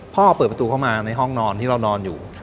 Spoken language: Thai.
เปิดประตูเข้ามาในห้องนอนที่เรานอนอยู่